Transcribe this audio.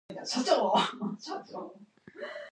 He was stood down indefinitely.